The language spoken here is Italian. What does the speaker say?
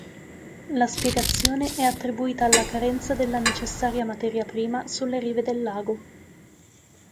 La spiegazione è attribuita alla carenza della necessaria materia prima sulle rive del lago.